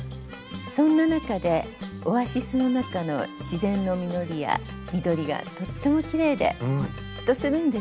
そんな中でオアシスの中の自然の実りや緑がとってもきれいでほっとするんですね。